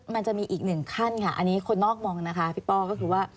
มันจะมีอีกหนึ่งขั้นค่ะอันนี้คนนอกมองนะคะพี่ป้อก็คือว่า